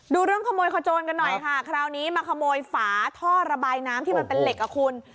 ดูเรื่องขโมยขโจนกันหน่อยค่ะคราวนี้มาขโมยฝาท่อระบายน้ำที่มันเป็นเหล็กอ่ะคุณ